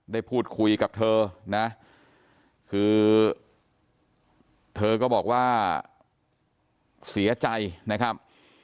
ได้พูดคุยกับเธอนะคือเธอก็บอกว่าเสียใจนะครับ